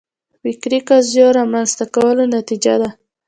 فکري قضیو رامنځته کولو نتیجه ده